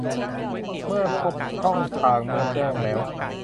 พอพบช่องทางเมื่อแจ้งแล้ว